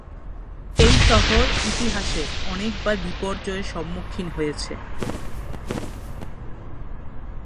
এই শহর ইতিহাসে অনেকবার বিপর্যয়ের সম্মুখীন হয়েছে।